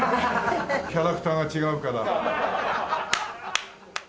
キャラクターが違うから。